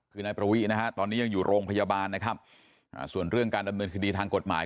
คือนายประวินะฮะตอนนี้ยังอยู่โรงพยาบาลนะครับส่วนเรื่องการดำเนินคดีทางกฎหมาย